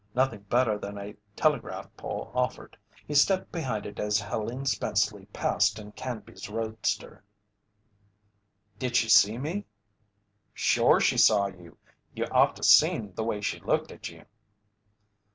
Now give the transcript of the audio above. Nothing better than a telegraph pole offered. He stepped behind it as Helene Spenceley passed in Canby's roadster. "Did she see me?" "Shore she saw you. You'd oughta seen the way she looked at you."